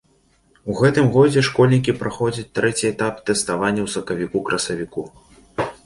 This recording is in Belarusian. У гэтым годзе школьнікі праходзяць трэці этап тэставання ў сакавіку-красавіку.